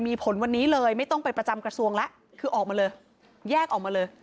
มีผลวันนี้เลยไม่ต้องไปประจำกระทรวงแล้วคือออกมาเลยแยกออกมาเลย